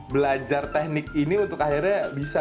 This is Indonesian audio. belajar teknik ini untuk akhirnya bisa